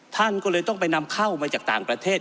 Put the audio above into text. ท่านก็เลยต้องไปนำเข้ามาจากต่างประเทศ